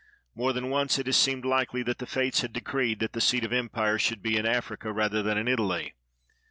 IMore than once it has seemed likely that the Fates had decreed that the seat of empire should be in Africa rather than in Italy.